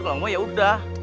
kalau gak mau yaudah